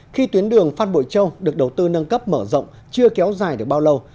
khi tuyến đường phát bội châu được đầu tư nâng cấp mở rộng chưa kéo dài được bao lâu